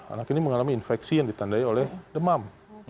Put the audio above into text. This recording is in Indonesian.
anak ini mengalami infeksi yang ditandai oleh demam